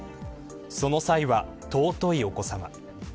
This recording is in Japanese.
その際は、尊いお子さま。